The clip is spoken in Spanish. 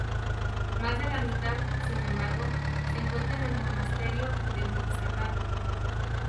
Más de la mitad, sin embargo, se encuentra en el monasterio de Montserrat.